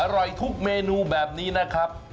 อร่อยทุกเมนูแบบนี้นะครับ